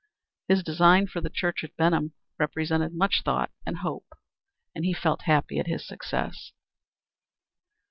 His design for the church at Benham represented much thought and hope, and he felt happy at his success.